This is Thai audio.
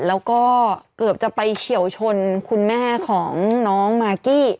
แล้วก็เกือบจะไปเฉียวชนคุณแม่ของน้องมากี้